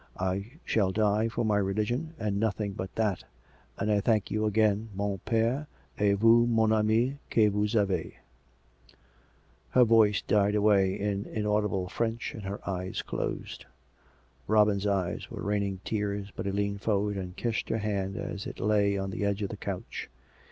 I shall die for my Religion, and nothing but that. And I thank you again, mon pere, et vous, mon ami, que vous avez ..." COME RACK! COME ROPE! 313 Her voice died away in inaudible French, and her eyes closed. Robin's eyes were raining tears, but he leaned forward and kissed her hand as it lay on the edge of the couch.